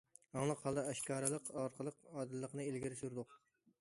ئاڭلىق ھالدا ئاشكارىلىق ئارقىلىق ئادىللىقنى ئىلگىرى سۈردۇق.